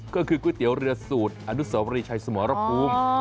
ก็คือก๋วยเตี๋ยวเรือสูตรอนุสวรีชัยสมรภูมิ